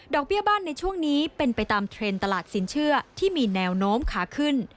เบี้ยบ้านในช่วงนี้เป็นไปตามเทรนด์ตลาดสินเชื่อที่มีแนวโน้มขาขึ้น